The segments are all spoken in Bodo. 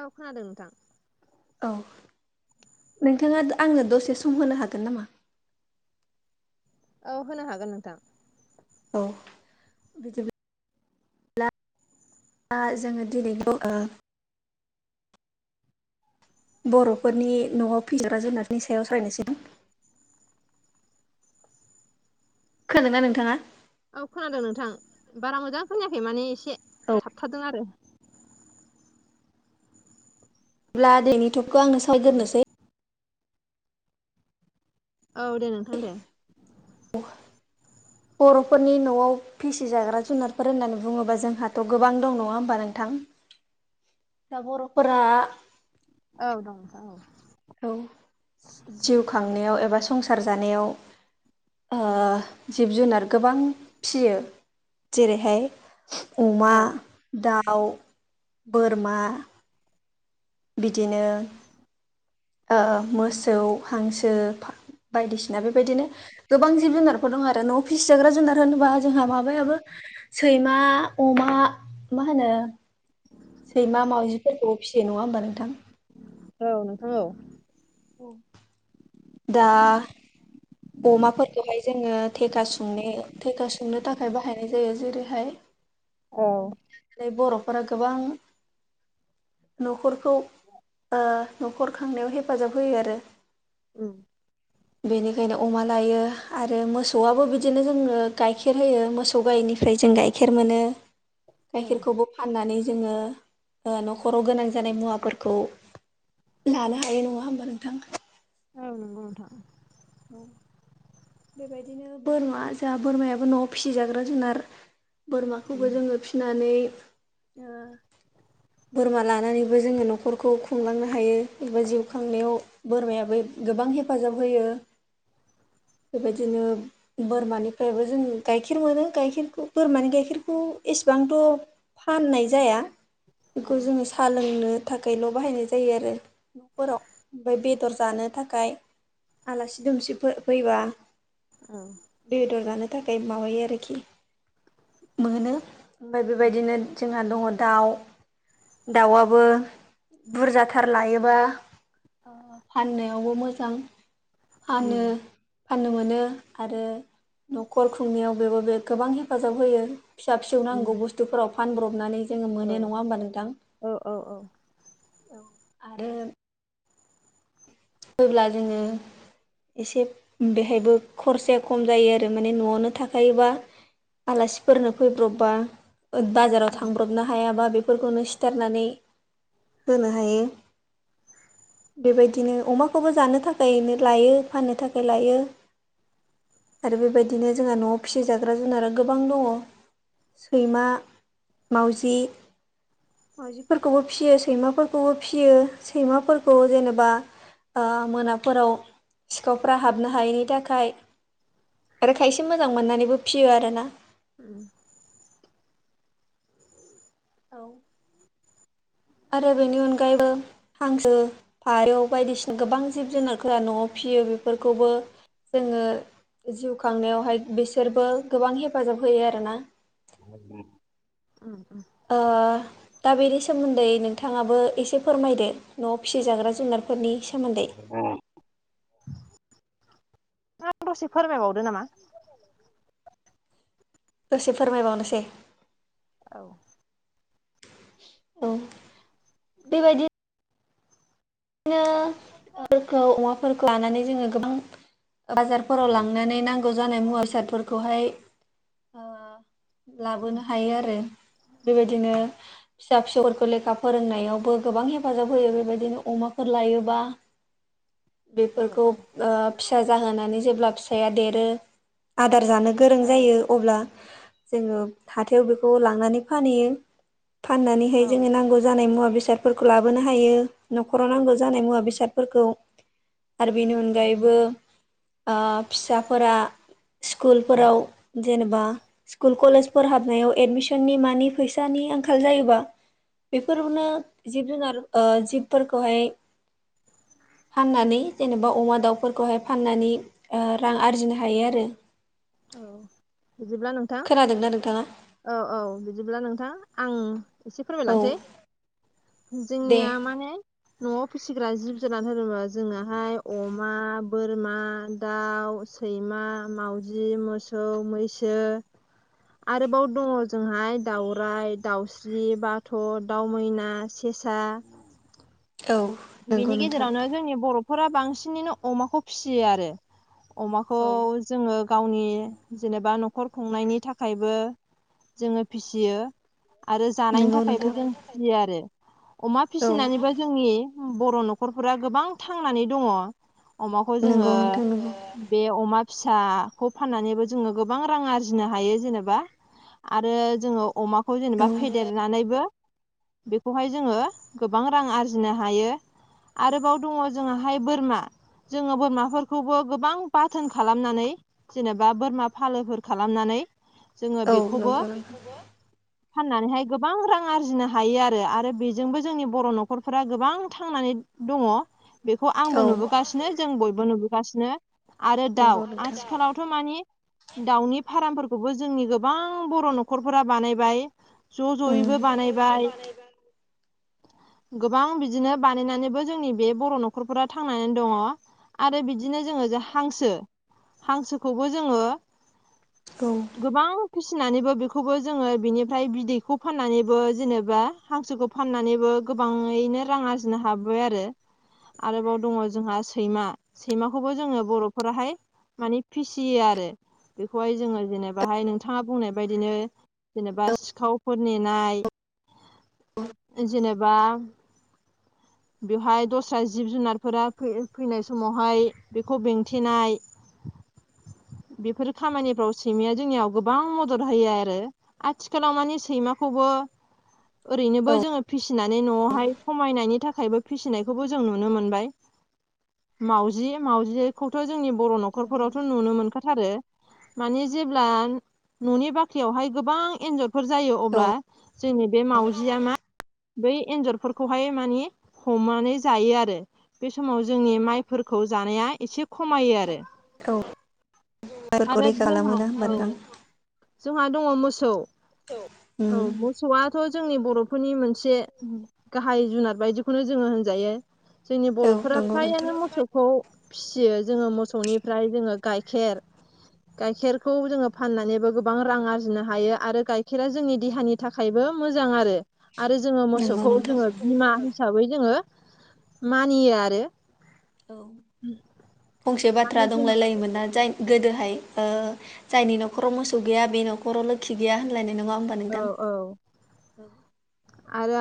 औ खोनादों नोंथां। औ नोंथाङा आंनो दसे सम होनो हागोन नामा? औ होनो हागोन नोंथां। औ बिदि ब्ला जोङो दिनैबेखौ ओ बर'फोरनि न'आव फिजाग्रा जुनारफोरनि सायाव सावरायनोसै खोनादोंना नोंथाङा? औ खोनादों नोंथां बारा मोजां खोनायाखै माने एसे औ थाबथादों आरो अब्ला दैैनि टपखौ आंनो औ सायग्रोनोसै औ दे नोंथां दे। बर'फोरनि न'आव फिसिजाग्रा जुनारफोर होननानै बुङोबा जोंहाथ' गोबां दं नङा होमबा नोंथां। दा बर'फोरा औ दं नोंथां औ औ जिउ खांनायाव एबा संसार जानायाव ओ जिब जुनार गोबां फियो जेरैहाय अमा, औ दाउ, बोरमा बिदिनो मोसौ हांसो बायदिसिना बेबायदिनो गोबां जिब जुनारफोर दं आरो न'आव फिसिजाग्रा जुनार होनोबा जोंहा माबायाबो सैमा अमा मा होनो सैमा मावाउजिफोरखौ फिसियो नङा होनोमबा नोंथां। औ नोंथां औ दा अमाफोरखौहाय जोङो थेखा सुंनो थेखा सुंनो थाखाय बाहायनाय जायो जेरैहाय औ ओफ्राय बर'फोरा गोबां न'खरखौ न'खर खांनायाव हेफाजाब होयो आरो। उम बेनिखायनो अमा लायो आरो मोसौआबो बिदिनो जोङो गाइखेर होयो मोसौ गायैनिफ्राय जों गाइखेर खेर मोनो। औ गाइखेरखौबो फाननानै जोङो न'खराव गोनां जानाय मुवाफोरखौ लानो हानाय नङा होमबा नोंथां। औ नोंगौ नोंथां बेबायदिनो बोरमा जोंहा बोरमायाबो न'आव फिसिजाग्रा जुनार उम बोरमाखौबो जोङो फिनानै ओ बोरमा लानानैबो जोङो न'खरखौ खुंलांनो हायो एबा जिउ खांनायाव बोरमायाबो गोबां हेफाजाब होयो बेबायदिनो बोरमानिफ्रायबो जों गाइखेर मोनो गाइखेरखौ बोरमानि गाइखेरखौ एसेबो फाननाय जाया औ बेखौ जोङो साहा लोंनो थाखायल' बाहायनाय जायो आरो। न'फोराव ओमाय बेदर जानो थाखाय आलासि दोमसि फैबा औ बेदर जानो थाखाय माबायो आरोखि मोनो ओमफ्राय उम बेबायदिनो जोंहा दङ दाउ दाउआबो बुरजाथार लायोबा फाननायावबो मोजां उम फानो फाननो मोनो आरो न'खर खुंनायाव बेबो बे गोबां हेफाजाब होयो। फिसा फिसौ उम नांगौ बुस्थुफोराव फानब्रबनानै जोङो औ मोनो नङा होमबा नोंथां। औ औ औ ओम होब्ला जोङो एसे बेहायबो खरसाया खम जायो आरो माने न'आवनो थाखायोबा आलासिफोरनो फैब्रबबा बाजाराव उम थांब्रबनो हायाबा बेफोरखौनो सिथारनानै होनो हायो बेबायदिनो अमाखौबो जानो थाखायनो लायो फाननो थाखाय लायो आरो बेबायदिनो जोंहा न'आव फिसिजाग्रा जुनारा गोबां दङ। सैमा मावजि माउजिफोरखौबो फिसियो सैमाफोरखौबो फिसियो सैमाफोरखौ जेनेबा मोनाफोराव सिखावफ हाबनो हायैनि थाखाय आरो खायसे मोजां मोननानैबो फियो आरो ना। उम औ आरो बेनि अनगायैबो हांसो फारौ बायदिसिना गोबां जिब जुनारफोरा न'आव फिसियो बेफोरखौबो जोङो जिउ खांनायावहाय बिसोरबो गोबां हेफाजाब होयो आरोना। उम उम ओ दा बेनि सोमोन्दै नोंथाङाबो एसे फोरमायदो न'आव फिसिजाग्रा जुनारफोरनि सोमोन्दै। [unintelligible] आं दसे फोरमायबावदो नामा? दसे फोरमायबावनोसै। औ औ बेबायदि नो मोफोरखौ अमाफोरखौ लानानै जोङो गोबां बाजारफोराव लांनानै नांगौ जानाय मुवा बेसादफोरखौहाय ओ औ लाबोनो हायो आरो बेबायदिनो फिसा फिसौफोरखौ लेखा फोरोंनायावबो गोबां हेफाजाब होयो बेबायदिनो अमा लायोब्ला औ बेफोरखौ ओ फिसा जाहोनानै जेब्ला फि फिसाया देरो आदार जानो गोरों औ जायो अब्ला जोङो हाथायाव बेखौ लांनानै फानहैयो फाननानैहाय औ जोङो नांगौ जानाय मुवा बेसादफोरखौ लाबोनो हायो न'राव नांगौ जानाय मुवा उम बेसादफोरखौ आरो बेनि उम उम अनगायैबो ओ फिसाफोरा स्कुलफोराव जेनेबा स्कुल कलेजफोर हाबनायाव एडमिसननि मानि फैसानि आंखाल जायोबा बेफोरावनो जिब जुनार ओ जिबफोरखौहाय फाननानै जेनेबा अमा दाउफोरखौहाय फाननानै रां ओ आरजिनो हायो आरो। औ बिदिब्ला नों खोनादोंना नोंथाङा? औ औ बिदिब्ला नोंथां आं एसे औ फोरमायलांसै दे जोंनिया माने न'आव फिसिग्रा जिब जुनार होनोबा जोङाहाय अमा बोरमा दाउ सैमा मावजि मोसौ मैसो आरोबाव दङ जोंहाय दाउराय दाउस्रि बाथ' दाव मैना सेसा औ नंगौ बिनि नोंथां गेजेरावनो जोंनि बर'फोरा बांसिनैनो अमाखौ फिसियो आरो अमाखौ औ जोङो गावनि जेनेबा न'खर खुंनायनि थाखायबो जोङो फिसियो आरो जानायनि नंगौ थाखायबो नोंथां जों फियो आरो अमा औ फिसिनानैबो जोंनि बर' न'खरफोरा गोबां थांनानै दङ अमाखौ जोङो नंगौ नोंथां नंगौ बे अमा फिसाखौ फाननानैबो जोङो गोबां रां आरजिनो हायो जेनेबा आरो जोङो अमा खौ औ जेनेबा फेदेरनानैबो बेखौहाय जोङो गोबां रां आरजिनो हा हायो आरोबाव दङ जोंहा बोरमा जोङो बोरमाफोरखौबो गोबां बाथोन खालामनानै जेनेबा बोरमा फालोफोर खालामनानै जोङो औ बेखौबो नंगौ नोंथां फाननानैहाय गोबां रां आरजिनो हायो आरो आरो बेजोंबो जोंनि बर' न'खरफोरा गोबां थांनानै दङ बेखौ आंबो औ नुबोगासिनो जों बयबो नुबोगासिनो। आरो नंगौ दाउ नोंथां आथिखालाव थ' मानि दाउनि फार्मफोरखौबो जोंनि गोबां बर' न'खरफोरा बानायबाय ज' उम ज'यैबो बानायबाय। गोबां बिदिनो बानायनानैबो जोंनि बे बर' न'खरफोरा थांनानै दङ आरो बिदिनो जोङो जे हांसो हांसोखौबो जोङो औ गोबां फिसिनानैबो बेखौबो जोङो बिनिफ्राय बिदैखौ फाननानैबो जेनेबा हांसोखौ फाननानैबो गोबाङैनो रां आरजिनो हाबाय आरो आरोबाव दङ जोंहा सैमा सैमाखौबो जोङो बर'फोराहाय मानि फिसियो आरो बेखौहाय जोङो जेनेबाहाय नोंथाङा बुंनाय बायदिनो जेनेबा औ सिखावफोर नेनाय जेनेबा बेवहाय दस्रा जिब जुनारफोरा फै-फैनाय समावहाय बेखौ बेंथेनाय ज बेफोर खामानिफ्राव सैमाया जोंनियाव गोबां मदद होयो आरो। आथिखालाव माने सैमाखौबो औ ओरैनोबो जोङो फिसिनानै न'आवहाय नायनि थाखायबो फिसिनायखौबो जों नुनो मोनबाय मावजि मावजि खौथ' जोंनि बर' नंगौ न'खरफोरावथ' नोंथां नुनो मोनखाथारो। माने जेब्ला न'नि बाख्रियावहाय गोबां एन्जर फोर जायो औ अब्ला जोंनि बे माउजिया मा बै एन्जर फोरखौहाय माने हमनानै जायो आरो। बे समाव जोंनि माइफोरखौ जानाया एसे खमायो आरो। औ आरो [unintelligible] जोंहा खालामोना होमबा औ नोंथां जोंहा दङ मोसौ औ औ मोसौआथ' जोंनि बर'फोरनि मोनसे ओम गाहाय जुनार बायदिखौनो जोङो होनजायो जोंनि औ बर'फोरा नंगौ नोंथां फ्रायानो मोसौ खौ फिसियो जोङो मोसौनिफ्राय जोङो गाइखेर गाइखेरखौ जोङो फाननानैबो गोबां रां आरजिनो हायो आरो गाइखेरा जोंनि देहानि थाखायबो मोजां आरो आरो जोङो नंगौ मोसौखौ नोंथां जोङो बिमा हिसाबै जोङो मानियो आरो औ फंसे बाथ्रा आरो जों दंलाय लायोमोन ना जाय गोदोहाय ओ जायनि न'खराव मोसौ गैया बे न'खराव लोखि गैया होनलायनाय नङा होमबा औ नोंथां औ औ आरो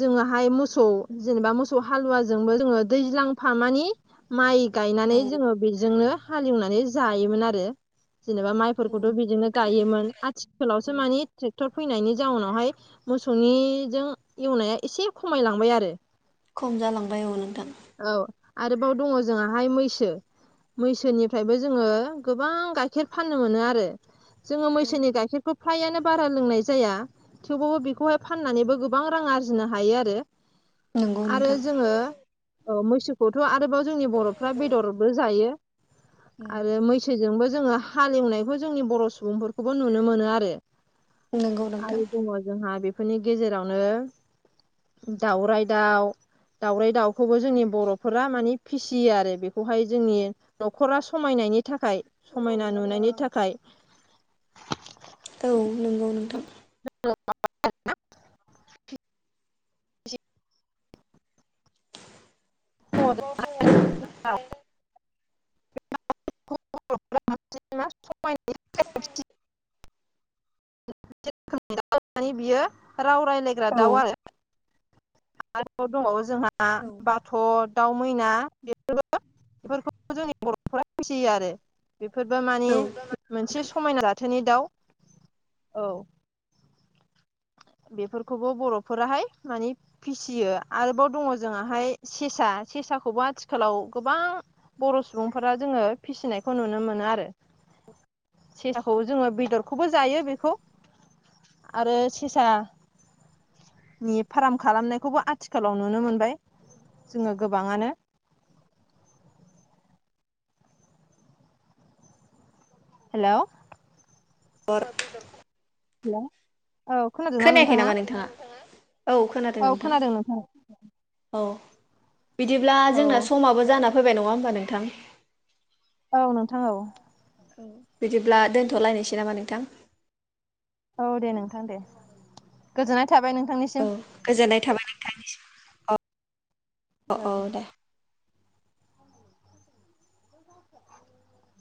जोङोहाय मोसौ जेनेबा मोसौ हालुवाजोंबो जोङो दैज्लांफा मानि माइ गायनानै औ जोङो बेजोंनो हालेवनानै जायोमोन आरो जेनेबा माइ औ फोरखौथ' बिदिनो नोंथां गायोमोन आथिखालावसो औ मानि ट्रेक्टर फैनायनि जाउनावहाय मोसौनिजों एवनाया एसे खमायलांबाय आरो। खम जालांबाय औ नोंथां औ आरोबाव दङ जोंहाहाय मैसो मैसोनिफ्रायबो जोङो गोबां गाइखेर फाननो मोनो आरो जोङो औ मैसोनि गाइखेरखौ फ्रायानो बारा लोंनाय जाया थेवबाबो बेखौहाय फाननानैबो गोबां रां आरजिनो हायो आरो। नंगौ आरो नोंथां जोङो औ मैसोखौथ' आरोबाव जोंनि बर'फ्रा बेदरबो जायो आरो मैस सोजोंबो जोङो हालेवनायखौ जोंनि बर' सुबुंफोरखौबो नुनो मोनो आरो। नंगौ नोंथां आरो दङ जोंहा बे फोरनि गेजेरावनो दाउराइ दाउ दाउराय दाउ खौबो जोंनि बर'फोरा मानि फिसियो आरो बेखौहाय जोंनि न'खरा समायनायनि थाखाय समायना नुनायनि थाखाय औ नंगौ नोंथां [unintelligible] [unintelligible] [unintelligible] [unintelligible] [unintelligible] मानि बियो राव रायलायग्रा औ दाउ आरो। आरोबाव दंबावो जोंहा औ बाथ' दाउ मैना बेफोरबो बेफोरखौबो जोंनि बर'फोरा फिसियो आरो। बेफोरबो मानि औ मोनसे समायना जाथोनि दाउ औ [unintelligible] बेफोरखौबो बर'फोराहाय मानि फिसियो आरोबाव दङ जोंहाहाय सेसा सेसाखौबो आथिखालाव गोबां बर' सुबुंफोरा जोङो फिसिनायखौ नुनो मोनो आरो। सेसाखौ जोङो बेदरखौबो जायो बे आरो सेसा नि फार्म खालामनायखौबो आथिखालाव नुनो मोनबाय जोङो गोबाङानो। हेलौ [unintelligible] हेल' औ खोनादोंना खोनायाखै नोंथाङा? नामा औ खोनादों नोंथां। औ बिदिब्ला औ जोंना समाबो जाना फैबाय नङा होमबा नोंथां? औ नोंथां औ। औ बिदिब्ला दोनथ'लायनोसै नामा नोंथां? औ दे नोंथां दे गोजोननाय थाबाय औ नोंथांनिसिम। गोजोननाय थाबाय नोंथां औ औ औ दे। [inaudible]